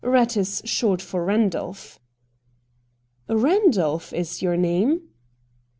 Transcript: Eatt is short for Eandolph.' * Eandolph is your name ?